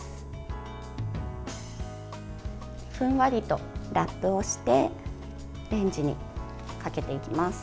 ふんわりとラップをしてレンジにかけていきます。